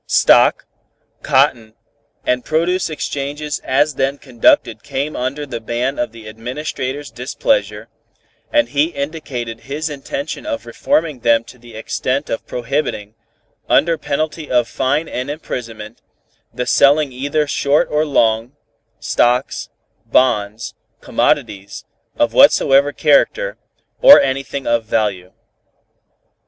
Stock, cotton and produce exchanges as then conducted came under the ban of the Administrator's displeasure, and he indicated his intention of reforming them to the extent of prohibiting, under penalty of fine and imprisonment, the selling either short or long, stocks, bonds, commodities of whatsoever character, or anything of value.